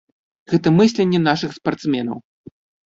Гэта мысленне нашых спартсменаў.